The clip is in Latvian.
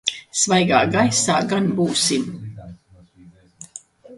Svaigā gaisā gan būsim.